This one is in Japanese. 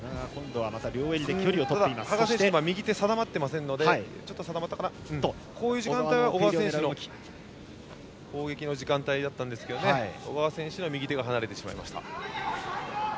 ただ羽賀選手も右手が定まらない時があるのでこういう時間帯は小川選手の攻撃の時間帯だったんですけど小川選手の右手が離れてしまいました。